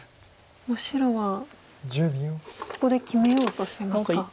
もう白はここで決めようとしてますか。